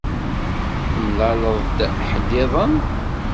Temlaleḍ-d ḥedd-iḍen?